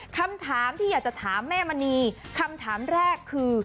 คำถามที่อยากจะถามแม่มณีคำถามแรกคือ